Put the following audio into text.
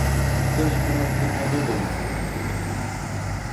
Це ж, брат, як на долоні тобі написано.